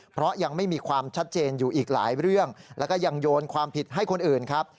เพราะยังไม่มีความชัดเจนอยู่อีกหลายเรื่องแล้วก็ยังโยนความผิดให้คนอื่นครับ